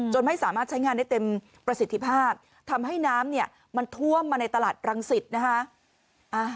ไม่สามารถใช้งานได้เต็มประสิทธิภาพทำให้น้ำเนี่ยมันท่วมมาในตลาดรังสิตนะคะ